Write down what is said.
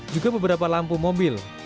juga beberapa lampu mobil